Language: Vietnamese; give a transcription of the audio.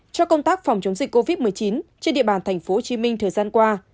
cho công tác phòng chống dịch covid một mươi chín trên địa bàn tp hcm thời gian qua